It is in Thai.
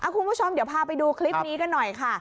คุณผู้ชมเดี๋ยวพาไปดูคลิปนี้กันหน่อยค่ะ